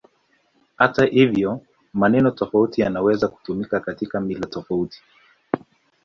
Hata hivyo, maneno tofauti yanaweza kutumika katika mila tofauti.